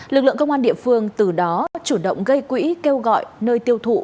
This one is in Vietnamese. lực lượng công an địa phương từ đó chủ động gây quỹ kêu gọi nơi tiêu thụ